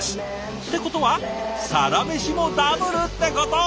ってことはサラメシもダブルってこと！